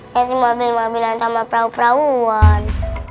sesi mobil mobilan sama perahu perahuan